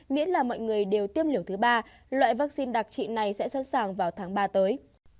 miễn là mọi người đều tiêm liều thứ ba loại vaccine đặc trị này sẽ sẵn sàng vào tháng ba tới